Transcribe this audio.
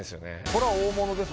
これは大物です